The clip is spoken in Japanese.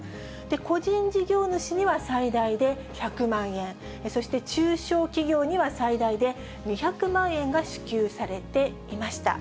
個人事業主には最大で１００万円、そして中小企業には最大で２００万円が支給されていました。